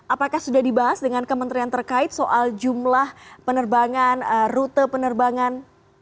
apakah sudah dibahas dengan kementerian terkait soal jumlah penerbangan rute penerbangan